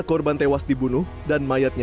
korban tewas dibunuh dan mayatnya